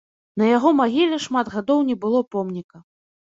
На яго магіле шмат гадоў не было помніка.